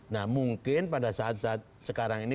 nah mungkin pada saat saat sekarang ini